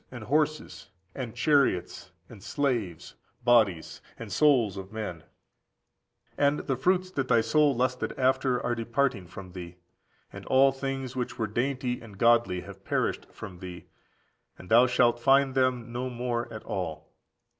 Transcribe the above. and horses, and chariots, and slaves (bodies), and souls of men. And the fruits that thy soul lusted after are departed from thee, and all things which were dainty and goodly have perished14831483 ἀπώλετο, for the received ἀπῆλθεν. from thee, and thou shalt find them no more at all.